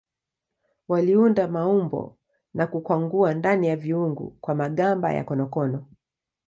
Waliunda maumbo na kukwangua ndani ya viungu kwa magamba ya konokono.